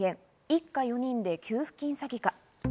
一家４人で給付金詐欺か。